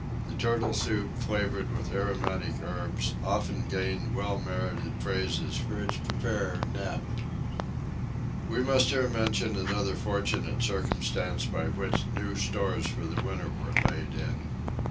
The turtle soup, flavored with aromatic herbs, often gained well merited praises for its preparer, Neb. We must here mention another fortunate circumstance by which new stores for the winter were laid in.